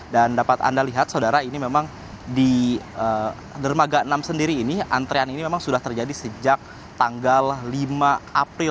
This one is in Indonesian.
dan dapat anda lihat saudara ini memang di dermaga enam sendiri ini antrean ini memang sudah terjadi sejak tanggal lima april